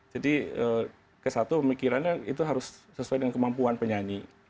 jadi ke satu pemikirannya itu harus sesuai dengan kemampuan penyanyi